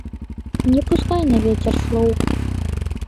Не пускай на вецер слоў.